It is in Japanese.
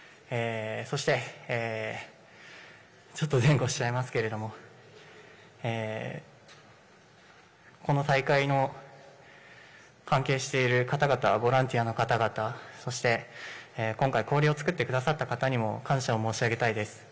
そしてちょっと前後しちゃいますけれどこの大会の関係している方々ボランティアの方々そして今回氷を作ってくださった方々にも感謝を申し上げたいです。